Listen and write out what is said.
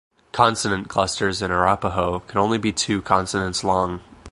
Consonant clusters in Arapaho can only be two consonants long.